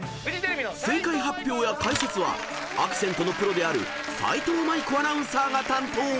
［正解発表や解説はアクセントのプロである斉藤舞子アナウンサーが担当］